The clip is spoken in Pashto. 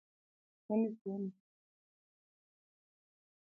ونیسه! ونیسه!